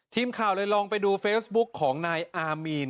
ทีมข่าวเลยลองไปดูเฟซบุ๊กของนายอามีน